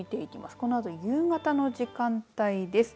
このあと、夕方の時間帯です。